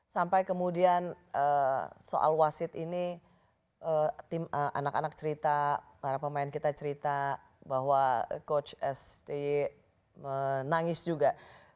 sampai kemudian soal wasit ini anak anak cerita para pemain kita cerita bahwa coach st menangis juga